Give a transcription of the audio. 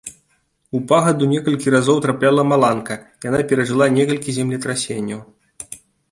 У пагаду некалькі разоў трапляла маланка, яна перажыла некалькі землетрасенняў.